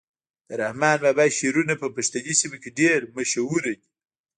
د رحمان بابا شعرونه په پښتني سیمو کي ډیر مشهور دي.